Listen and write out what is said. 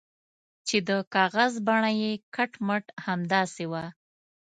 چې د کاغذ بڼه یې کټ مټ همداسې وه.